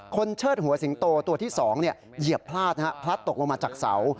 เชิดหัวสิงโตตัวที่๒เหยียบพลาดพลัดตกลงมาจากเสา